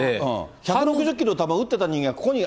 １６０キロの球打ってた人間が、ここに。